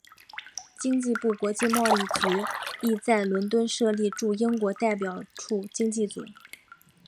经济部国际贸易局亦在伦敦设立驻英国代表处经济组。